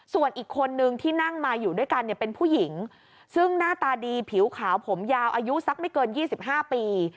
ส่วนอีกคนนึงที่นั่งมาอยู่ด้วยกันเนี่ยเป็นผู้หญิงซึ่งหน้าตาดีผิวขาวผมยาวอายุสักไม่เกิน๒๕ปี